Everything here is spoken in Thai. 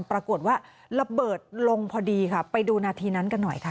ปรากฏว่าระเบิดลงพอดีค่ะไปดูนาทีนั้นกันหน่อยค่ะ